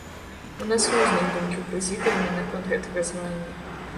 У нас розныя думкі ў прэзідыуме наконт гэтага звання.